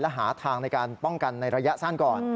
และหาทางในการป้องกันในระยะสั้นก่อน